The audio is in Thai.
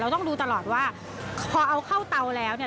ต้องดูตลอดว่าพอเอาเข้าเตาแล้วเนี่ย